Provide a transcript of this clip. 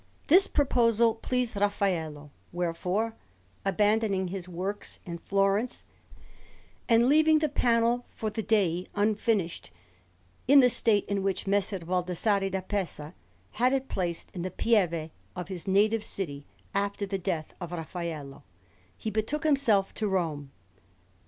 This proposal pleased Raffaello: wherefore, abandoning his works in Florence, and leaving the panel for the Dei unfinished, in the state in which Messer Baldassarre da Pescia had it placed in the Pieve of his native city after the death of Raffaello, he betook himself to Rome.